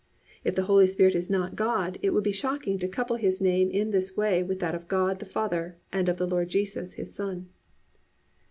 "+ If the Holy Spirit is not God, it would be shocking to couple His name in this way with that of God, the Father, and of the Lord Jesus, His Son.